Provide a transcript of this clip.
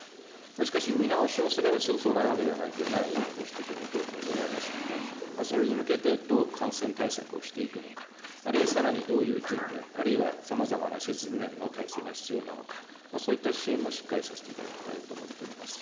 しかし、見直しをすればすぐそうなるわけではないということは委員のご指摘の通りでございますので、それに向けて、どう感染対策をしていくのか、あるいはさらにどういう準備、あるいはさまざまな設備面の体制が必要なのか、そういった支援もしっかりさせていただきたいと思っておりますし、